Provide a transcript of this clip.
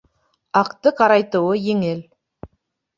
Аҡты ҡарайтыуы еңел.